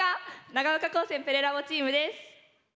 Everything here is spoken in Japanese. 長岡高専プレラボチームです。